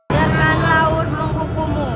biarkan laur menghukumu